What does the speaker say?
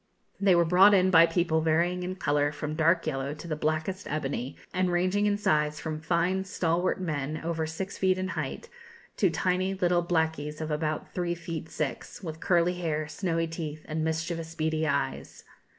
They were brought in by people varying in colour from dark yellow to the blackest ebony, and ranging in size from fine stalwart men, over six feet in height, to tiny little blackies of about three feet six, with curly hair, snowy teeth, and mischievous, beady eyes.